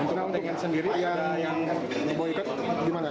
untuk nama nama yang sendiri yang boikot bagaimana